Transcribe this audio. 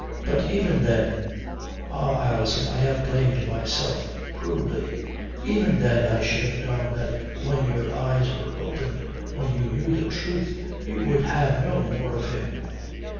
"But even then ah, Alison, I have blamed myself cruelly even then I should have known that when your eyes were opened, when you knew the truth, you would have no more of him."